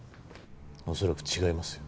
恐らく違いますよ。